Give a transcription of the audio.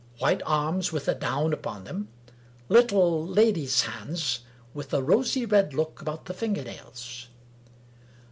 White arms, with a down upon them. Little, lady's hands, with a rosy red look about the finger nails."